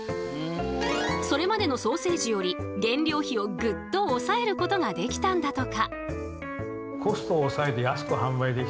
それまでのソーセージより原料費をぐっと抑えることができたんだとか。